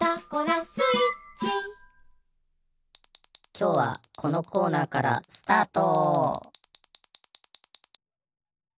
きょうはこのコーナーからスタート！